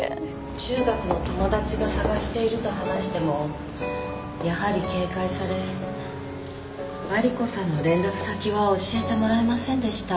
中学の友達が捜していると話してもやはり警戒されマリコさんの連絡先は教えてもらえませんでした。